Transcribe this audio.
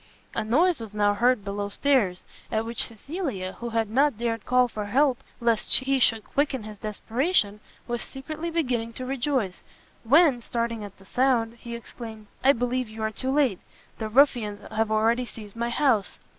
A noise was now heard below stairs, at which Cecilia, who had not dared call for help lest he should quicken his desperation, was secretly beginning to rejoice, when, starting at the sound, he exclaimed, "I believe you are too late! the ruffians have already seized my house!"